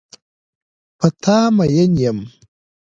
په تا مین یم.